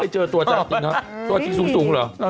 ไม่เคยเจอตัวจริงหรือตัวจริงสูงหรือ